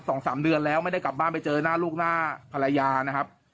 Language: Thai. สองสามเดือนแล้วไม่ได้กลับบ้านไปเจอหน้าลูกหน้าภรรยานะครับ